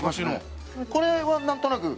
これはなんとなく。